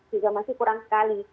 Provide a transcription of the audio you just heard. juga masih kurang sekali